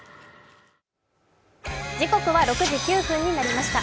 時刻は６時９分になりました。